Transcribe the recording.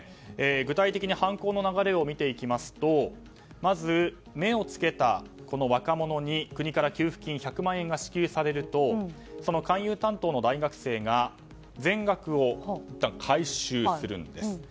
具体的に犯行の流れを見ていきますとまず目を付けた若者に国から給付金１００万円が支給されると勧誘担当の大学生が全額をいったん回収するんです。